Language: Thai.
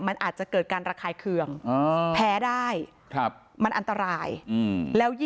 มันอาจจะเกิดการระคายเคืองแพ้ได้มันอันตรายแล้ว